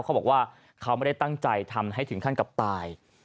เขาบอกว่าเขาไม่ได้ตั้งใจทำให้ถึงขั้นกับตาย